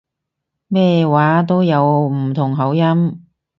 咩話都有唔同口音